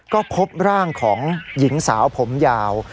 ก็พบร่างของหญิงสาวผมยาว